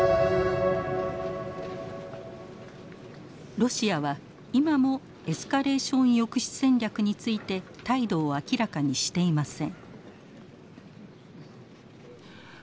ロシアは今もエスカレーション抑止戦略について態度を明らかにしていません。